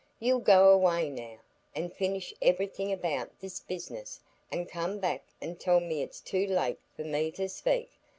You'll go away now, and finish everything about this business, and come back and tell me it's too late for me to speak.